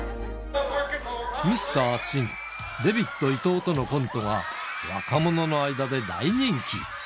ミスターちん、デビット伊東とのコントが若者の間で大人気。